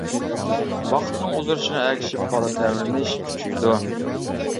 ۋاقىتنىڭ ئۇزىرىشىغا ئەگىشىپ، بالا تەۋرىنىش كۈچىيىدۇ.